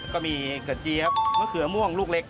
ก็มีกระเจี๊ยบมะเขือม่วงลูกเล็ก